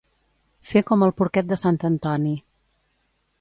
Fer com el porquet de sant Antoni.